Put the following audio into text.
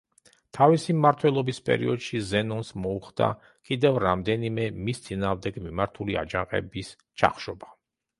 თავისი მმართველობის პერიოდში ზენონს მოუხდა კიდევ რამდენიმე, მის წინააღმდეგ მიმართული, აჯანყების ჩახშობა.